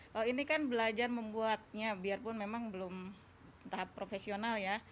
kalau ini kan belajar membuatnya biarpun memang belum tahap profesional ya